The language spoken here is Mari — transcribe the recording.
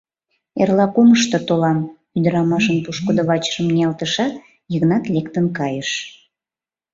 Эрла-кумышто толам, — ӱдырамашын пушкыдо вачыжым ниялтышат, Йыгнат лектын кайыш.